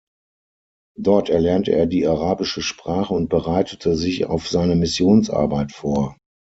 Dort erlernte er die arabische Sprache und bereitete sich auf seine Missionsarbeit vor.